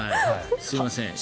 すいません。